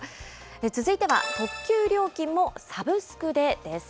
続いては、特急料金もサブスクで、です。